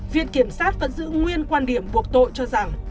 viện kiểm sát vẫn giữ nguyên quan điểm buộc tội cho rằng